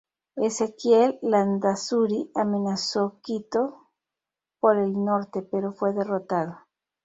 Ezequiel Landázuri amenazó Quito por el norte pero fue derrotado.